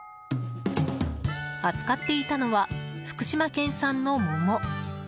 扱っていたのは福島県産の桃。